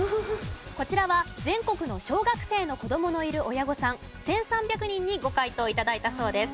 こちらは全国の小学生の子供のいる親御さん１３００人にご回答頂いたそうです。